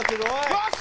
よし！